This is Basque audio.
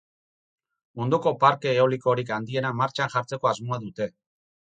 Munduko parke eolikorik handiena martxan jartzeko asmoa dute.